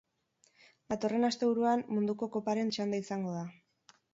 Datorren asteburuan munduko koparen txanda izango da.